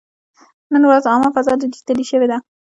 نن ورځ عامه فضا ډیجیټلي شوې ده.